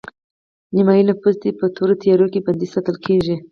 نیمایي نفوس دې په تورو تیارو کې بندي ساتل کیږي